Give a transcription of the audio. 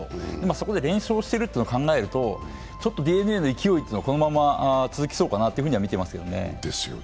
そこで連勝しているっていうのを考えるとちょっとＤｅＮＡの勢いというのがこのまま続きそうかなとは見てますね。